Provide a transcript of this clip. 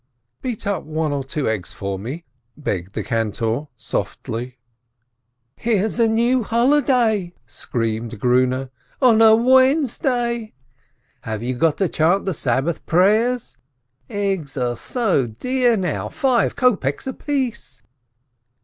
"Beat up one or two eggs for me !" begged the cantor, softly. 408 RAISIN "Here's a new holiday !" screamed Grune. "On a Wednesday! Have you got to chant the Sabbath prayers ? Eggs are so dear now — five kopeks apiece